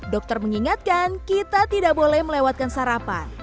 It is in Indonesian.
dokter mengingatkan kita tidak boleh melewatkan sarapan